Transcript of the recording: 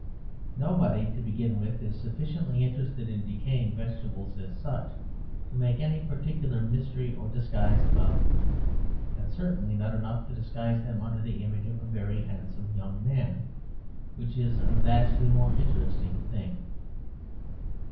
Nobody, to begin with, is sufficiently interested in decaying vegetables, as such, to make any particular mystery or disguise about them; and certainly not enough to disguise them under the image of a very handsome young man, which is a vastly more interesting thing.